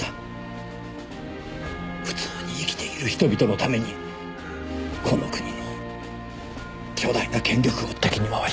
普通に生きている人々のためにこの国の巨大な権力を敵に回して立っていました！